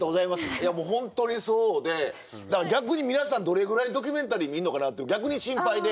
いやもう本当にそうでだから逆に皆さんどれぐらいドキュメンタリー見んのかなって逆に心配で。